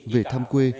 về thăm quê